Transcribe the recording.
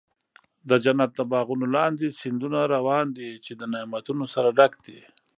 د جنت د باغونو لاندې سیندونه روان دي، چې د نعمتونو سره ډک دي.